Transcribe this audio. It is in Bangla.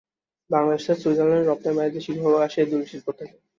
বাংলাদেশ থেকে সুইজারল্যান্ডে রপ্তানি বাণিজ্যের সিংহভাগ আসে এ দুটি শিল্প থেকে।